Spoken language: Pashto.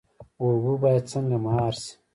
اوبه باید څنګه مهار شي؟